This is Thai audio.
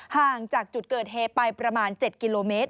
ห่างจากจุดเกิดเหตุไปประมาณ๗กิโลเมตร